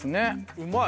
うまい！